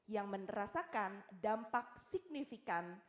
yang merasakan dampak signifikan